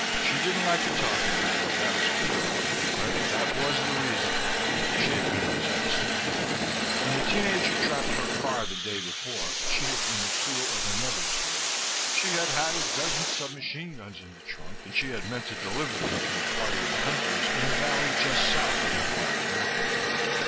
She didn't like to talk about it, that was clear, but that was the reason. She had been possessed. When the teen ager trapped her car the day before she had been the tool of another's will. She had had a dozen sub machine guns in the trunk and she had meant to deliver them to a party of hunters in a valley just south of McGuire's Mountain.